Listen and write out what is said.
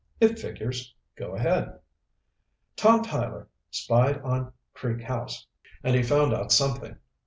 "It figures. Go ahead." "Tom Tyler spied on Creek House, and he found out something.